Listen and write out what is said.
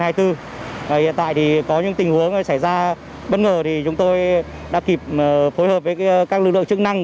hiện tại thì có những tình huống xảy ra bất ngờ thì chúng tôi đã kịp phối hợp với các lực lượng chức năng